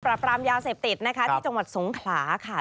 ปราบรามยาเสพติดที่จังหวัดศูนย์ขหา